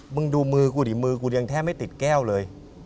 มึงดูมือกูดิมือกูยังแทบไม่ติดแก้วเลย